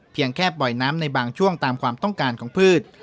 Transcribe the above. แค่ปล่อยน้ำในบางช่วงตามความต้องการของพืช